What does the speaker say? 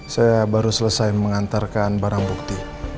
saya baru selesai mengantarkan barang bukti